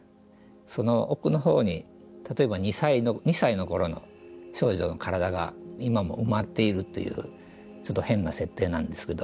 その奥のほうに例えば２歳の頃の少女の体が今も埋まっているというちょっと変な設定なんですけど。